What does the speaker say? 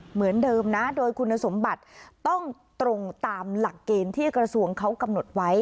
เหมือนเดิมนะโดยคุณสมบัติต้องตรงตามหลักเกณฑ์ที่กระทรวงเขากำหนดไว้